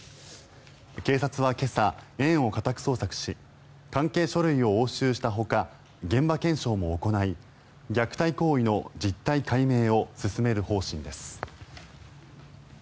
警察は今朝、園を家宅捜索し関係書類を押収したほか現場検証も行い虐待行為の実態解明を進める方針です。